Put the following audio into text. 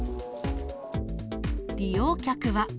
利用客は。